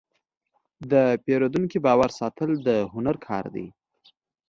د پیرودونکي باور ساتل د هنر کار دی.